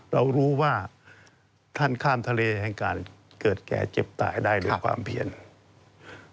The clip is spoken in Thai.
เรารู้ว่าท่านข้ามทะเลแห่งการเกิดแก่เจ็บตายได้ด้วยความเพียร